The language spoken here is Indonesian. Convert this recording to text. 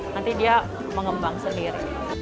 nanti dia mengembang sendiri